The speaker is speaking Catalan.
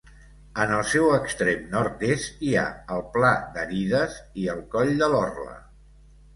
En el seu extrem nord-est hi ha el Pla d'Arides i el Coll de l'Orla.